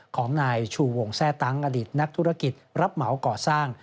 ของนายชูวงแทร่ตั้งอดีตนักธุรกิจรับเหมาก่อสร้าง